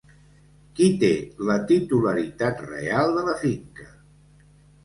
Qui té la titularitat real de la finca?